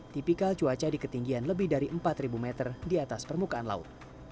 tipikal cuaca di ketinggian lebih dari empat meter di atas permukaan laut